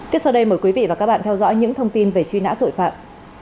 tiếp sau đây mời quý vị và các bạn theo dõi những thông tin về truy nã tội phạm